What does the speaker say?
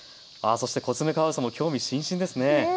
そしてコツメカワウソも興味津々ですね。